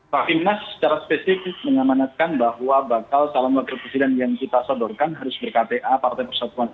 pak himnas secara spesifik menyamanakan bahwa bakal terbuka untuk orang di luar kader atau spesifik hanya kader saja